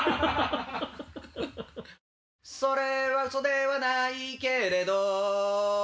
それは嘘では無いけれど